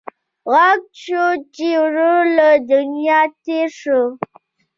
غږ شو چې ورور له دنیا تېر شو.